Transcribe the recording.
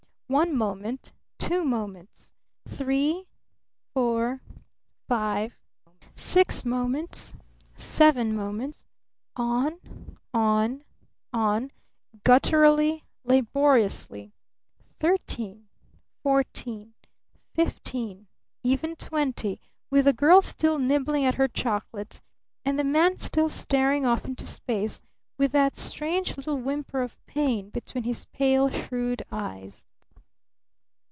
One moment two moments three four five six moments seven moments on, on, on, gutturally, laboriously thirteen fourteen fifteen even twenty; with the girl still nibbling at her chocolate, and the man still staring off into space with that strange little whimper of pain between his pale, shrewd eyes.